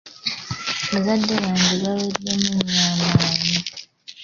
Bazadde bange baaweddemu nnyo amaanyi.